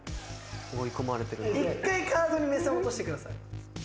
一回カードに目線落としてください。